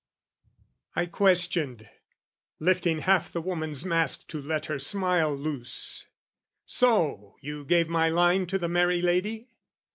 I questioned lifting half the woman's mask To let her smile loose. "So, you gave my line "To the merry lady?"